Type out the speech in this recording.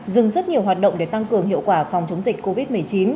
dừng rất nhiều hoạt động để tăng cường hiệu quả phòng chống dịch covid một mươi chín